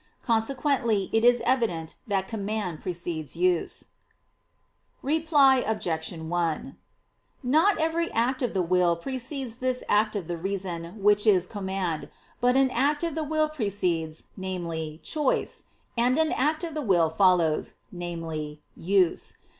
Consequently it is evident that command precedes use. Reply Obj. 1: Not every act of the will precedes this act of the reason which is command; but an act of the will precedes, viz. choice; and an act of the will follows, viz. use.